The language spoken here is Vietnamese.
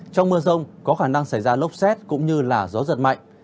trong mưa rông có khả năng xảy ra lốc xét cũng như gió giật mạnh